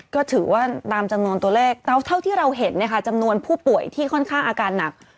ก็ถือว่าตามจำนวนตัวเลขเท่าที่เราเห็นจำนวนผู้ป่วยที่ค่อนข้างอาการหนัก